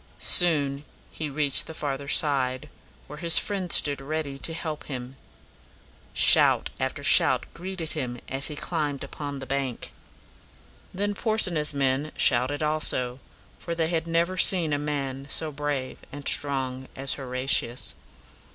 Soon he reached the farther side, where his friends stood ready to help him. Shout after shout greeted him as he climbed upon the bank. Then Porsena's men shouted also, for they had never seen a man so brave and strong as Horatius.